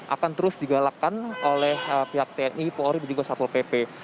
akan terus digalakkan oleh pihak tni polri dan juga satpol pp